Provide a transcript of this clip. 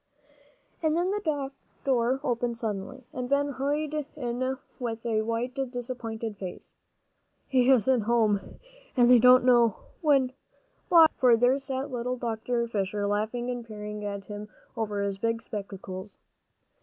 And then the door opened suddenly, and Ben hurried in with a white, disappointed face. "He isn't home, and they don't know when Why!" for there sat little Dr. Fisher laughing and peering at him over his big spectacles.